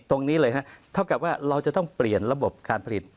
ตรงนี้เลยฮะเท่ากับว่าเราจะต้องเปลี่ยนระบบการผลิต